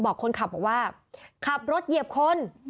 บอกคนขับบอกว่าขับรถเหยียบคน